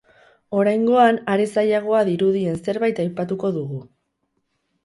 Oraingoan, are zailagoa dirudien zerbait aipatuko dugu.